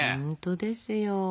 本当ですよ。